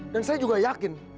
dan saya juga yakin